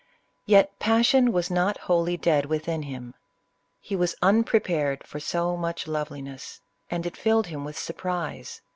Yet passion was not wholly dead within him. He was unprepared for so much loveliness, and it filled him with surprise.